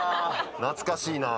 懐かしいな。